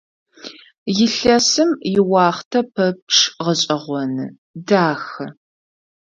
Илъэсым иуахътэ пэпчъ гъэшӀэгъоны, дахэ.